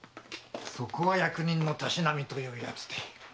そこは役人のたしなみというやつで。